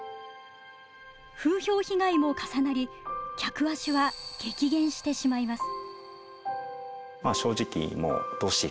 風評被害も重なり客足は激減してしまいます。